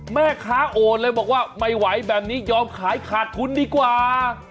แม่ค้าโอนเลยบอกว่าไม่ไหวแบบนี้ยอมขายขาดทุนดีกว่า